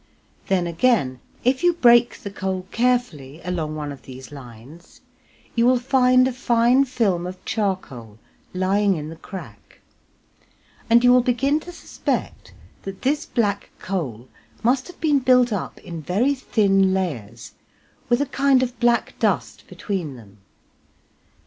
Then again if you break the coal carefully along one of these lines you will find a fine film of charcoal lying in the crack, and you will begin to suspect that this black coal must have been built up in very thin layers, with a kind of black dust between them.